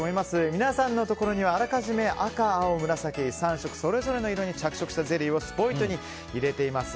皆さんのところにはあらかじめ赤、青、紫３色ぞれぞれの色に着色したゼリーをスポイトに入れています。